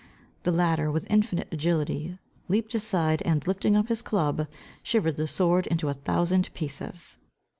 The latter, with infinite agility, leaped aside, and lifting up his club, shivered the sword into a thousand pieces.